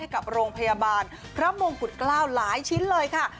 กับโรงพยาบาลพระมงกุฎเกล้าหลายชิ้นเลยค่ะ